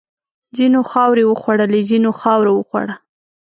ځینو خاورې وخوړلې، ځینو خاوره وخوړه.